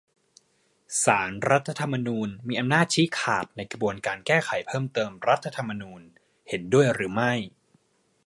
ศาลรัฐธรรมนูญมีอำนาจชี้ขาดในกระบวนการแก้ไขเพิ่มเติมรัฐธรรมนูญ เห็นด้วยหรือไม่ ?